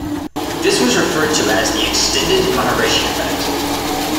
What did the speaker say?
This was referred to as the "Extended Maharishi Effect".